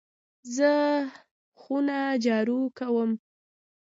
زه خونه جارو کوم .